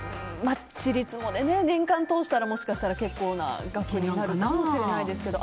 ちりつもで年間通したらもしかしたら結構な額になるかもしれないですけど。